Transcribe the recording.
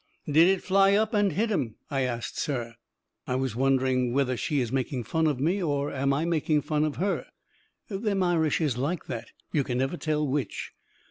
"Did it fly up and hit him?" I asts her. I was wondering w'ether she is making fun of me or am I making fun of her. Them Irish is like that, you can never tell which.